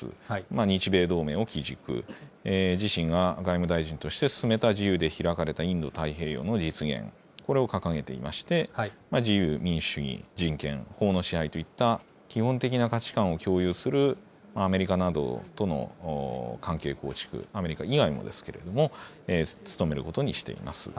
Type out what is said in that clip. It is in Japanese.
日米同盟を基軸、自身が外務大臣として進めた、自由で開かれたインド太平洋の実現、これを掲げていまして、自由、民主主義、人権、法の支配といった基本的な価値観を共有するアメリカなどとの関係構築、アメリカ以外もですけれども、努めることにしています。